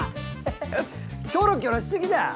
ハハキョロキョロしすぎだよ！